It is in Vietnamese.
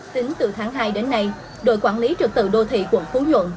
tính từ tháng hai đến nay đội quản lý trật tự đô thị quận phú nhuận